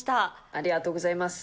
ありがとうございます。